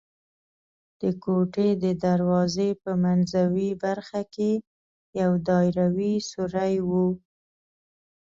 د کوټې د دروازې په منځوۍ برخه کې یو دایروي سوری و.